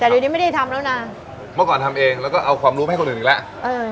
แต่เดี๋ยวนี้ไม่ได้ทำแล้วนะเมื่อก่อนทำเองแล้วก็เอาความรู้มาให้คนอื่นอีกแล้วเออ